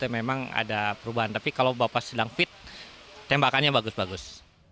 memang ada perubahan tapi kalau bapak sedang fit tembakannya bagus bagus